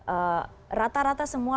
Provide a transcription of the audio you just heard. ee rata rata semua